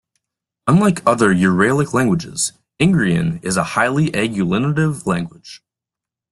Like other Uralic languages, Ingrian is a highly agglutinative language.